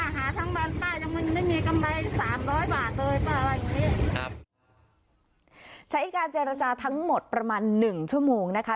อย่างงี้ครับใช้การเจรจาทั้งหมดประมาณหนึ่งชั่วโมงนะคะ